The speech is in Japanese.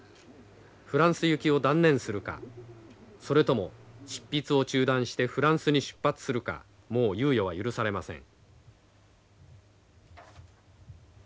フランス行きを断念するかそれとも執筆を中断してフランスに出発するかもう猶予は許されません。